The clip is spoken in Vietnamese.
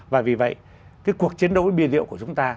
và vì vậy cuộc chiến đấu với bia rượu của chúng ta